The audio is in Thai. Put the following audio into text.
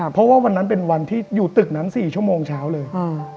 เพราะว่าวันนั้นเป็นวันที่อยู่ตึกนั้น๔ชั่วโมงเช้าเลย